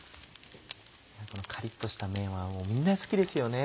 このカリっとしためんはもうみんな好きですよね。